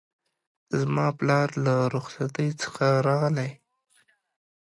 زما پلار له رخصتی څخه راغی